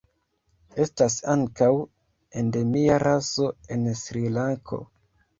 Estas ankaŭ endemia raso en Srilanko.